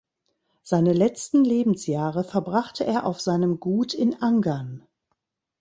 Seine letzten Lebensjahre verbrachte er auf seinem Gut in Angern.